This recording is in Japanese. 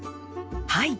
はい。